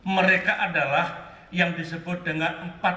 mereka adalah yang disebut dengan empat